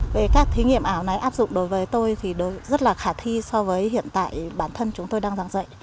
về các thí nghiệm ảo này áp dụng đối với tôi thì rất là khả thi so với hiện tại bản thân chúng tôi đang giảng dạy